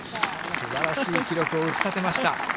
すばらしい記録を打ち立てました。